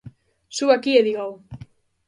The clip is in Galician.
Suba aquí e dígao.